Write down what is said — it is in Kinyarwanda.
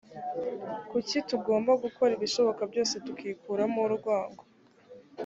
kuki tugomba gukora ibishoboka byose tukikuramo urwango